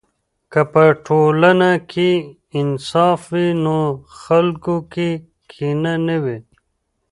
که په ټولنه کې انصاف وي، نو خلکو کې کینه نه وي.